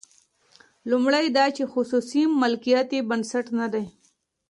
لومړی دا چې خصوصي مالکیت یې بنسټ نه دی.